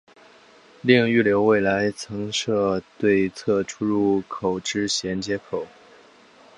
另预留未来增设对侧出入口之衔接口。